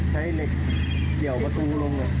ใช้เหล็กเกี่ยวประตูลง